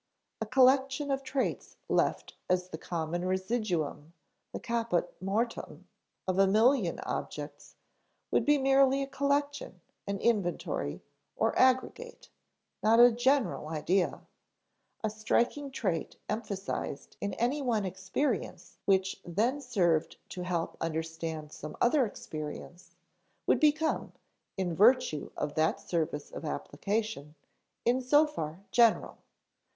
A collection of traits left as the common residuum, the caput mortuum, of a million objects, would be merely a collection, an inventory or aggregate, not a general idea; a striking trait emphasized in any one experience which then served to help understand some one other experience, would become, in virtue of that service of application, in so far general.